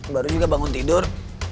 baru juga bangun tidur